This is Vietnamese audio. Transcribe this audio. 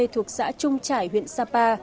thuộc xã trung trải huyện sapa